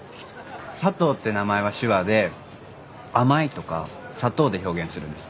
佐藤って名前は手話で「甘い」とか「砂糖」で表現するんです。